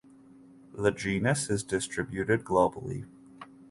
The genus is distributed globally.